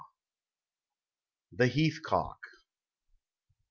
THE HEATH COCK.